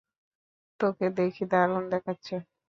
তোকে দেখি দারুণ দেখাচ্ছে।